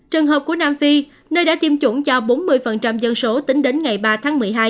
trường hợp của nam phi nơi đã tiêm chủng cho bốn mươi dân số tính đến ngày ba tháng một mươi hai